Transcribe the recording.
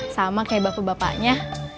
sama kayak bapak bapaknya